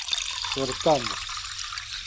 Certame